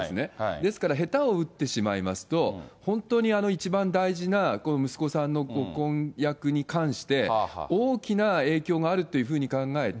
ですから下手を打ってしまいますと、本当に一番大事な息子さんのご婚約に関して、大きな影響があるというふうに考えて。